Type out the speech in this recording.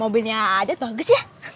mobilnya aja bagus ya